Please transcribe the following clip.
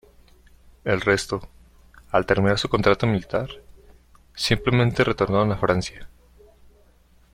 El resto, al terminar su contrato militar, simplemente retornaron a Francia.